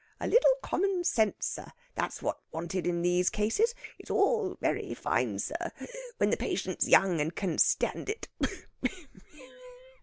"A little common sense, sir that's what's wanted in these cases. It's all very fine, sir, when the patient's young and can stand it...."